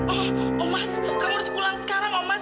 oh mas kamu harus pulang sekarang om mas